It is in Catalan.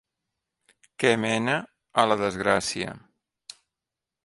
Que mena a la desgràcia.